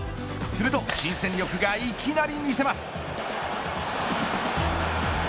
すると新戦力がいきなり見せます。